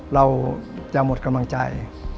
เราจะหมดกำลังใจ